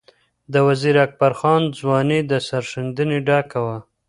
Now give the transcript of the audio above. د وزیر اکبر خان ځواني د سرښندنې ډکه وه.